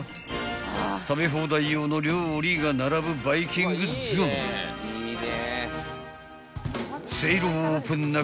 ［食べ放題用の料理が並ぶバイキングゾーン］